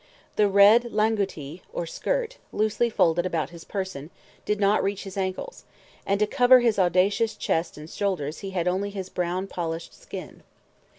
The red langoutee, or skirt, loosely folded about his person, did not reach his ankles; and to cover his audacious chest and shoulders he had only his own brown polished skin.